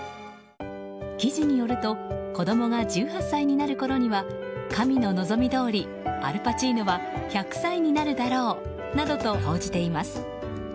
記事によると子供が１８歳になるころには神の望みどおりアル・パチーノは１００歳になるだろうなどと報じています。